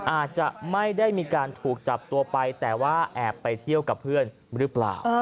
อาจจะไม่ได้มีการถูกจับตัวไปแต่ว่าแอบไปเที่ยวกับเพื่อนหรือเปล่า